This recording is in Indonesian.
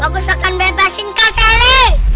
bagus akan bebasin kak celi